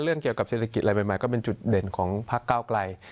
เศรษฐกิจอะไรใหม่ก็เป็นจุดเด่นของภาคเก้าไกล